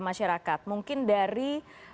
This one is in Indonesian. masyarakat mungkin dari